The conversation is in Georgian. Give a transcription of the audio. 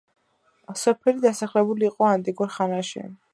სოფელი დასახლებული იყო ანტიკურ ხანაში.